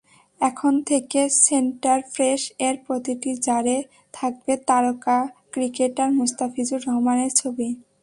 এখন থেকে সেন্টার ফ্রেশ-এর প্রতিটি জারে থাকবে তারকা ক্রিকেটার মুস্তাফিজুর রহমানের ছবি।